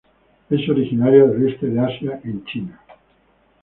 Es originaria del este de Asia en China.